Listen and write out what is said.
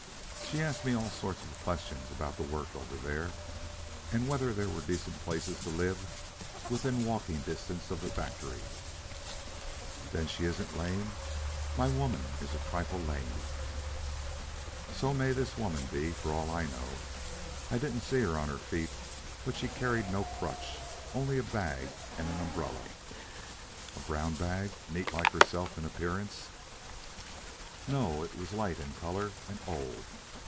She asked me all sorts of questions about the work over there, and whether there were decent places to live in within walking distance of the factory." "Then she isn't lame? My woman is a trifle lame." "So may this woman be, for all I know. I didn't see her on her feet, but she carried no crutch only a bag and an umbrella." "A brown bag, neat like herself in appearance?" "No. It was light in color and old.